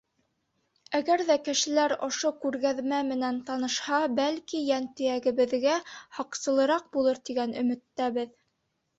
Әгәр ҙә кешеләр ошо күргәҙмә менән танышһа, бәлки, йәнтөйәгебеҙгә һаҡсылыраҡ булыр тигән өмөттәбеҙ.